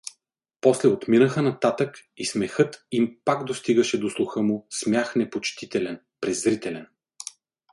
После отминаха нататък и смехът им пак достигаше до слуха му, смях непочтителен, презрителен.